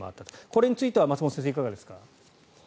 これについては松本先生、いかがですか。